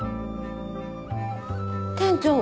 店長